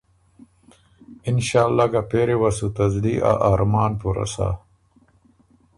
اِنشأ اللّٰه که پېری وه سُو ته زلی ا ارمان پُورۀ سَۀ۔